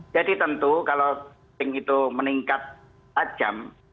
jadi tentu kalau testing itu meningkat tajam